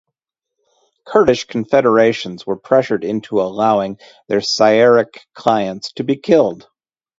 Kurdish confederations were pressured into allowing their Syriac clients to be killed.